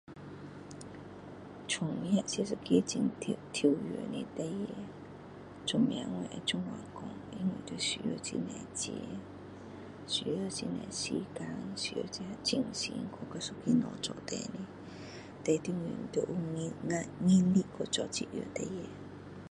教育是一个很挑战的事为什么我会这样讲因为会需要到很多钱需要很多时间精神把一个东西做出来最重要的是你要有能力去做这件事情